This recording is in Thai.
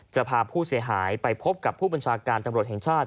จะพาผู้เสียหายไปพบกับผู้บัญชาการตำรวจแห่งชาติ